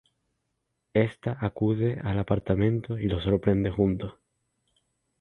Ésta acude al apartamento y los sorprende juntos.